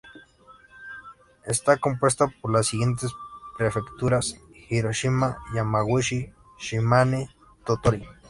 Está compuesta por las siguientes prefecturas: Hiroshima, Yamaguchi, Shimane, Tottori.